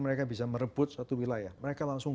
mereka bisa merebut suatu wilayah mereka langsung